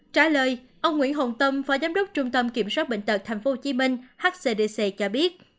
trả lời ông nguyễn hồng tâm phó giám đốc trung tâm kiểm soát bệnh tật tp hcm hcdc cho biết